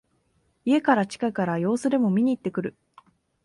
家から近いから様子でも見にいってくる